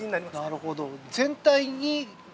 なるほど。